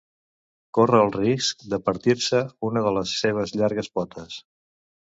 Corre el risc de partir-se una de les seves llargues potes.